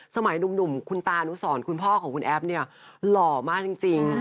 สมัยหนุ่มคุณตานุสรคุณพ่อของคุณแอฟเนี่ยหล่อมากจริง